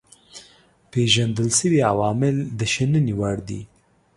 پيژندل شوي عوامل د شنني وړ دي.